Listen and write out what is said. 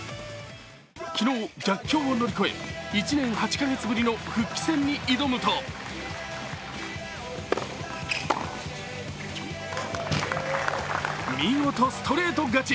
昨日、逆境を乗り越え１年８か月ぶりの復帰戦に挑むと見事、ストレート勝ち。